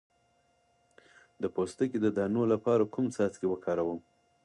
د پوستکي د دانو لپاره کوم څاڅکي وکاروم؟